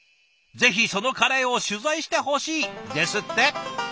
「ぜひそのカレーを取材してほしい」ですって。